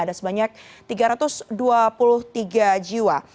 ada sebanyak tiga ratus dua puluh tiga jiwa